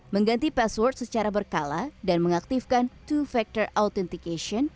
mengganti password secara berkala dan mengaktifkan to factor authentication